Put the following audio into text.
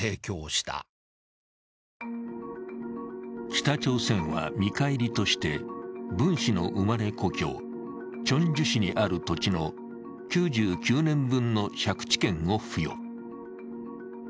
北朝鮮は見返りとして、文氏の生まれ故郷、チョンジュ市にある土地の９９年分の借地権を付与。